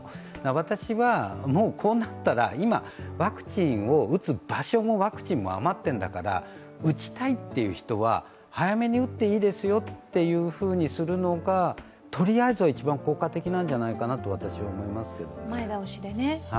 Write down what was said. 私は、こうなったら今ワクチンを打つ場所もワクチンも余ってるんだから、打ちたいという人は早めに打っていいですよというふうにするのが、とりあえずは一番効果的なんじゃないかなと思います。